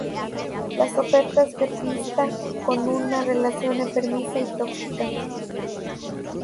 Las ofertas de pista con una relación enfermiza y tóxica.